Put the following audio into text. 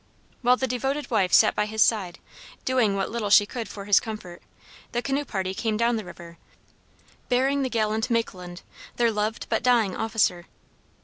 While the devoted wife sat by his side, doing what little she could for his comfort, the canoe party came down the river, bearing the gallant Macleland, their loved but dying officer.